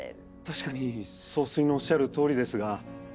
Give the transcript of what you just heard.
確かに総帥のおっしゃるとおりですが。